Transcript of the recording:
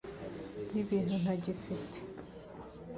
y'ibintu ntagifite ..